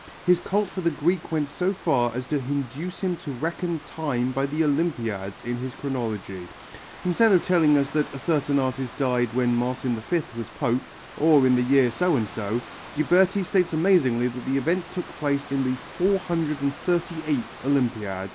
His cult for the Greek went so far as to induce him to reckon time by the Olympiads in his chronology. Instead of telling us that a certain artist died when Martin V was pope, or in the year so and so, Ghiberti states amazingly that the event took place in the 438th Olympiad!